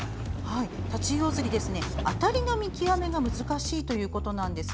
タチウオ釣りは当たりの見極めが難しいということなんです。